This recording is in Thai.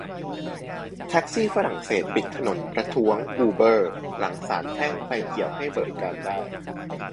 แท็กซี่ฝรั่งเศสปิดถนนประท้วง "อูเบอร์" หลังศาลแพ่งไฟเขียวให้บริการได้